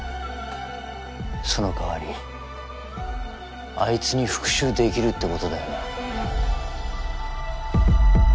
その代わりあいつに復讐できるって事だよな？